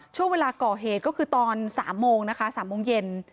ช่วงเวลาก่อเหตุก็คือตอน๓โมงนะคะ๓โมงเย็น